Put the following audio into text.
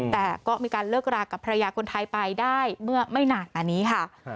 แต่ก็มีการเลิกรากับภรรยาคนไทยไปได้เมื่อไม่นานมานี้ค่ะ